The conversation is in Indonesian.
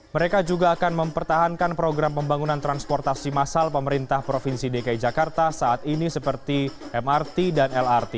mereka juga akan mempertahankan program pembangunan transportasi massal pemerintah provinsi dki jakarta saat ini seperti mrt dan lrt